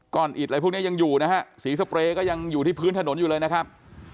อิดอะไรพวกนี้ยังอยู่นะฮะสีสเปรย์ก็ยังอยู่ที่พื้นถนนอยู่เลยนะครับ